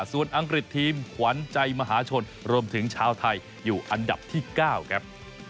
ส่วนอังกฤษทีมขวัญใจมหาชนรวมถึงชาวไทยอยู่อันดับที่๙ครับ